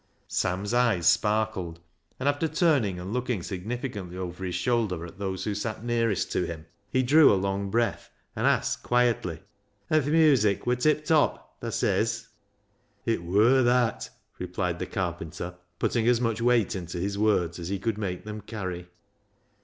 Sam's eyes sparkled, and after turning and 332 BECKSIDE LIGHTS looking significantly over his shoulder at those who sat nearest to him, he drew a long breath, and asked quietly —" An' th' music wur tiptop, thaa says ?"" It wur that," replied the carpenter, putting as much weight into his words as he could make them carry.